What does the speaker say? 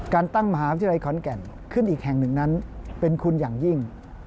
การตั้งมหาวิทยาลัยขอนแก่นขึ้นอีกแห่งหนึ่งนั้นเป็นคุณอย่างยิ่ง